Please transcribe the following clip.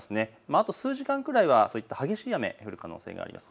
あと数時間くらいは激しい雨、降る可能性があります。